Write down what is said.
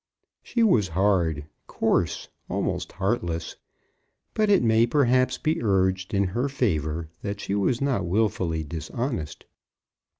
She was hard, coarse, almost heartless; but it may perhaps be urged in her favour, that she was not wilfully dishonest.